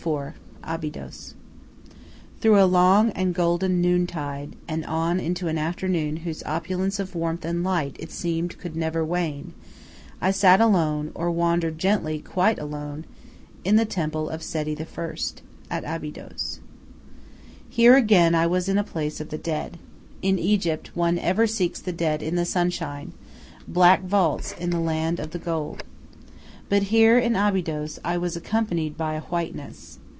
IV ABYDOS Through a long and golden noontide, and on into an afternoon whose opulence of warmth and light it seemed could never wane, I sat alone, or wandered gently quite alone, in the Temple of Seti I. at Abydos. Here again I was in a place of the dead. In Egypt one ever seeks the dead in the sunshine, black vaults in the land of the gold. But here in Abydos I was accompanied by whiteness.